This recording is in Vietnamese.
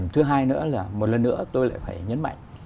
thứ hai nữa là một lần nữa tôi lại phải nhấn mạnh